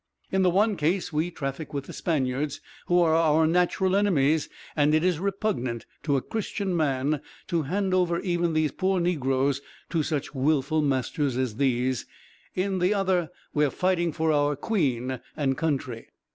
In the one case we traffic with the Spaniards, who are our natural enemies; and it is repugnant, to a Christian man, to hand over even these poor negroes to such willful masters as these; in the other we are fighting for our queen and country.